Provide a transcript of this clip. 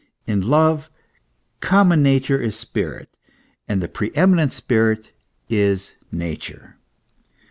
In love common nature is spirit, and the pre eminent spirit is nature.